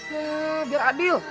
ya biar adil